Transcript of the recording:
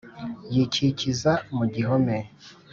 yikikiza mu igihome